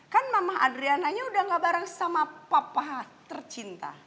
kan mama adriananya udah gak bareng sama papa tercinta